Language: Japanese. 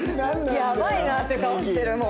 やばいなっていう顔してるもう。